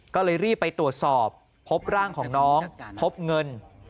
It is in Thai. ก็เลยรีบไปตรวจสอบพบร่างของน้องพบเงิน